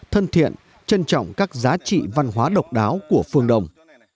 thân thiện trân trọng các giá trị văn hóa độc đáo của phương đông